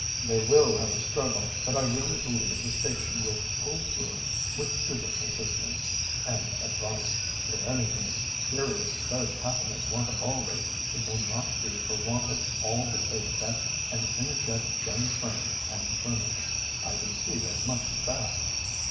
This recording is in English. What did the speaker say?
"They will have a struggle, but I really believe the station will pull through with Hubert's assistance and advice. If anything serious does happen at Wantabalree, it will not be for want of all the aid that an energetic young friend can furnish. I can see as much as that."